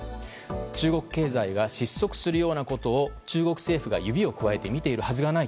中国経済は失速するようなことを中国政府が指をくわえて見ているはずがない。